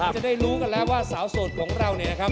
จะได้รู้กันแล้วว่าสาวสดของเรา